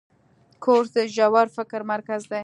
کورس د ژور فکر مرکز دی.